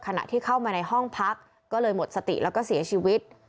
ขณะที่เข้ามาในห้องพักก็เลยหมดสติแล้วก็เสียชีวิต